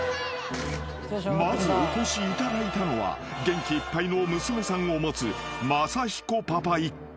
［まずお越しいただいたのは元気いっぱいの娘さんを持つまさひこパパ一家］